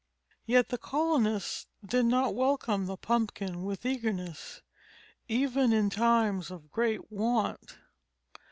Yet the colonists did not welcome the pumpkin with eagerness, even in times of great want.